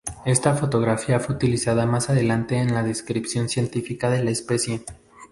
Esta fotografía fue utilizada más adelante en la descripción científica de la especie.